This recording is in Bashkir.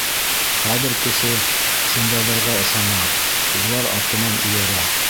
Хәҙер кеше шундайҙарға ышана, улар артынан эйәрә.